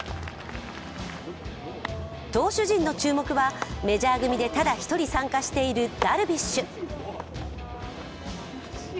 投手陣の注目は、メジャー組でただ１人参加しているダルビッシュ。